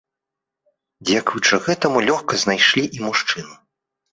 Дзякуючы гэтаму лёгка знайшлі і мужчыну.